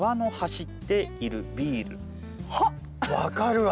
分かるわ。